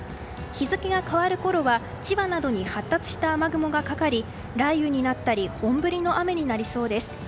日付が変わるころは千葉などに発達した雨雲がかかり雷雨になったり本降りの雨になりそうです。